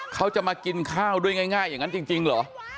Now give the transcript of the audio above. เขาจะมากินข้าวด้วยง่ายอย่างนั้นจริงเหรอ